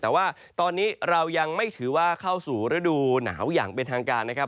แต่ว่าตอนนี้เรายังไม่ถือว่าเข้าสู่ฤดูหนาวอย่างเป็นทางการนะครับ